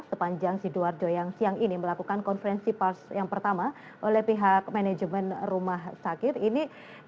sepanjang sidoarjo yang siang ini melakukan konferensi pers yang pertama oleh pihak manajemen rumah sakit ini